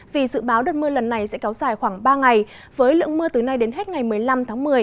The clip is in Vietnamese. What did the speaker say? vì dự báo đợt mưa lần này sẽ kéo dài khoảng ba ngày với lượng mưa từ nay đến hết ngày một mươi năm tháng một mươi